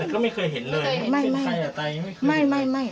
แต่ก็ไม่เคยเห็นเลยเป็นใครหรือไม่เคยเห็นไม่ไม่